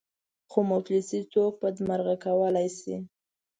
خو مفلسي څوک بدمرغه کولای شي.